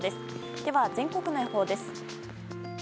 では全国の予報です。